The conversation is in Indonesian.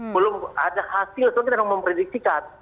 belum ada hasil kita sudah memprediktikan